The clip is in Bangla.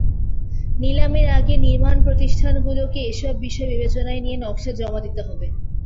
নিলামের আগে নির্মাণপ্রতিষ্ঠানগুলোকে এসব বিষয় বিবেচনায় নিয়ে নকশা জমা দিতে হবে।